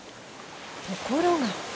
ところが。